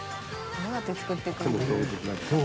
どうやって作っていくんだろう？